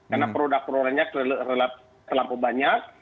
karena produk produknya terlalu banyak